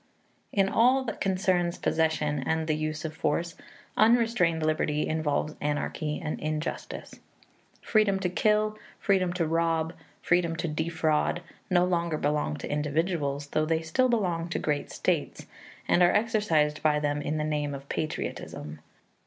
In all that concerns possession and the use of force, unrestrained liberty involves anarchy and injustice. Freedom to kill, freedom to rob, freedom to defraud, no longer belong to individuals, though they still belong to great states, and are exercised by them in the name of patriotism.